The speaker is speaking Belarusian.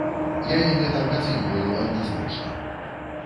Я яе так ацэньваю адназначна.